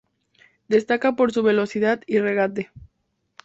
Destaca por su velocidad y regate.